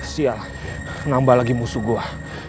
sial nambah lagi musuh gua